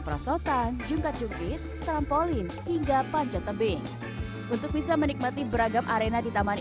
perosotan jungkat jungkit trampolin hingga panjat tebing untuk bisa menikmati beragam arena di taman